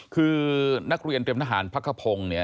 คือนักเรียนเตรียมทหารพักคพงศ์